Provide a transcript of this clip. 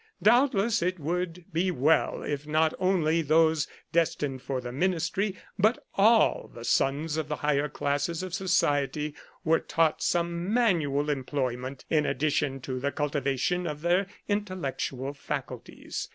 Doubtless it would be well if not only those destined for the ministry, but all the sons of the higher classes of society, were taught some manual employment in addition to the cultivation of their intellectual faculties.